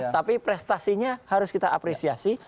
tapi prestasinya harus kita apresiasi